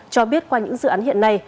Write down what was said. cho biết qua những dự án hiện nay